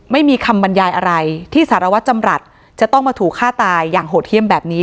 ไม่มีคำบรรยายอะไรที่สารวัตรจำรัฐจะต้องมาถูกฆ่าตายอย่างโหดเยี่ยมแบบนี้